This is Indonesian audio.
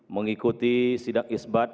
mengikuti sidak isbat